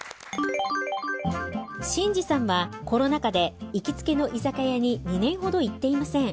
信二さんはコロナ禍で行きつけの居酒屋に２年ほど行っていません。